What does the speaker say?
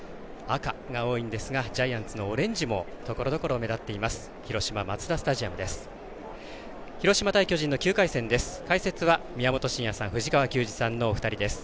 赤が多いんですがジャイアンツのオレンジもところどころ、目立っています